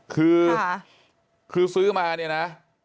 คือคือซื้อมาเนี่ยนะ